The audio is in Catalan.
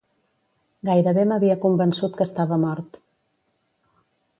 Gairebé m'havia convençut que estava mort.